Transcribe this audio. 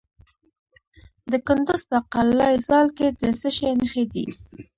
د کندز په قلعه ذال کې د څه شي نښې دي؟